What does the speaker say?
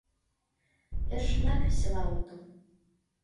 Йӧршынак весела отыл.